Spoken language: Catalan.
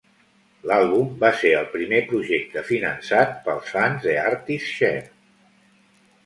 L'àlbum va ser el primer projecte finançat pels fans de ArtistShare.